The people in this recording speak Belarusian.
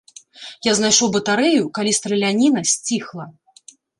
Я знайшоў батарэю, калі страляніна сціхла.